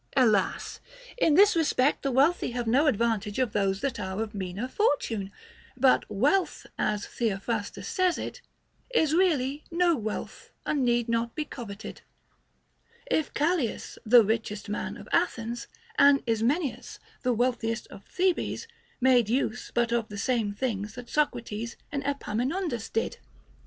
Alas ! in this respect the * Hesiod, Works and Days, 703. OF THE LOVE OF WEALTH. 303 wealthy have no advantage of those that are of a meaner fortune ; but wealth (as Theophrastus says) is really no wealth and need not be coveted, if Callias, the richest man of Athens, and Ismenias, the wealthiest of Thebes, made use but of the same things that Socrates and Epaminondas did.